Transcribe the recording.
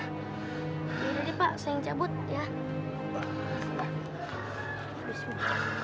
tidak pak saya yang cabut